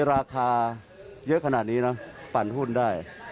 รู้ค่ะ